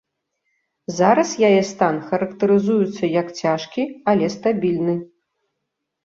Зараз яе стан характарызуецца як цяжкі, але стабільны.